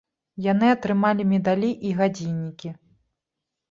Яны атрымалі медалі і гадзіннікі.